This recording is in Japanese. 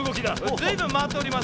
ずいぶんまわっております。